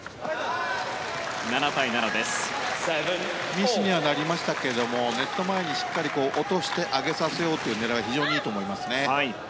ミスにはなりましたけどもネット前にしっかり落として上げさせようという狙いは非常にいいと思いますね。